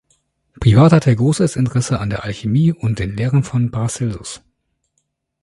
Privat hatte er großes Interesse an der Alchemie und den Lehren des Paracelsus.